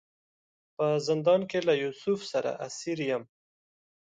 په زندان کې له یوسف سره اسیر یم.